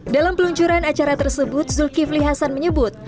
dalam peluncuran acara tersebut zulkifli hasan menyebut